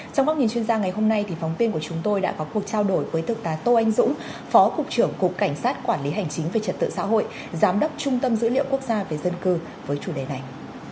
trong góc nhìn chuyên gia ngày hôm nay phóng viên của chúng tôi đã có cuộc trao đổi với thượng tá tô anh dũng phó cục trưởng cục cảnh sát quản lý hành chính về trật tự xã hội giám đốc trung tâm dữ liệu quốc gia về dân cư với chủ đề này